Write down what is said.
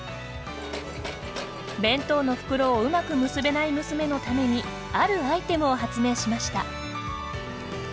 弁当の袋をうまく結べない娘のためにあるアイテムを発明しました。